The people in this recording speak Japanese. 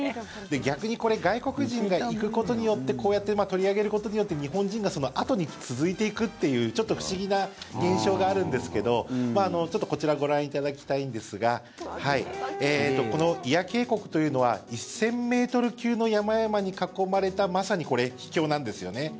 逆にこれ外国人が行くことによってこうやって取り上げることによって日本人がそのあとに続いていくというちょっと不思議な現象があるんですけどちょっと、こちらご覧いただきたいんですがこの祖谷渓谷というのは１０００ｍ級の山々に囲まれたまさにこれ、秘境なんですよね。